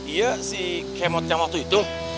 iya si kemot yang waktu itu